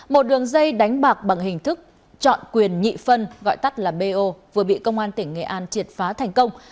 một đường dây đánh bạc bằng hình thức chọn quyền nhị phân gọi tắt là bo vừa bị công an tp hcm triệt phá thành công